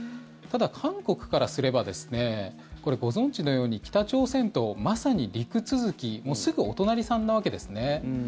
ただ韓国からすればこれ、ご存じのように北朝鮮とまさに陸続きすぐお隣さんなわけですね。